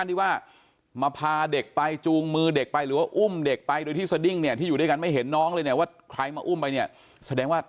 ถ้าจะบอกว่าที่ตำรวจบอกวันนี้นะ